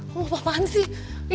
eh mau apa apaan sih